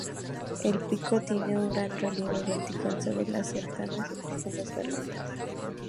El pico tiene un gran relieve vertical sobre las cercanas y profundas gargantas.